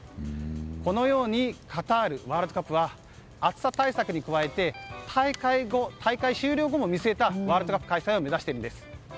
このようにカタールワールドカップは暑さ対策に加えて大会終了後も見据えたワールドカップ開催を目指しているんです。